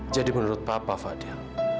jadi menurut papa fadil